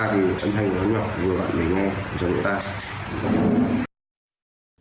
thì âm thanh nó nhỏ vừa bạn nghe vừa nghe